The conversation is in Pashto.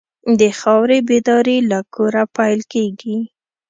د خاورې بیداري له کوره پیل کېږي.